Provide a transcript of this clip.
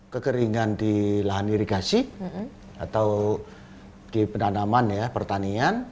kekeringan di lahan irigasi atau di penanaman ya pertanian